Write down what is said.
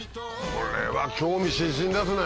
これは興味津々ですね。